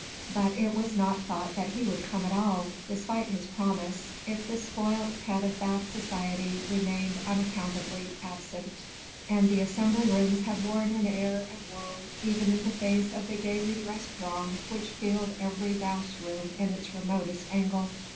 But it was not thought that he would come at all, despite his promise, if the spoilt pet of Bath society remained unaccountably absent; and the Assembly Rooms had worn an air of woe even in the face of the gaily dressed throng which filled every vast room in its remotest angle.